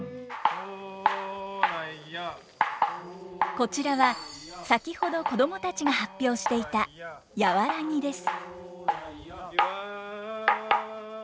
こちらは先ほど子供たちが発表していた「やわらぎ」です。